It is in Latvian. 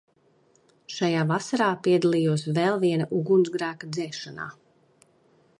Šajā vasarā piedalījos vēl viena ugunsgrēka dzēšanā.